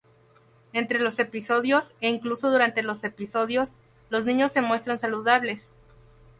Entre los episodios, e incluso durante los episodios, los niños se muestran saludables.